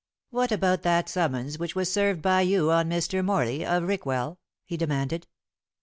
"What about that summons which was served by you on Mr. Morley, of Rickwell?" he demanded.